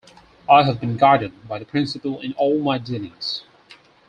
I have been guided by the principle in all my dealings.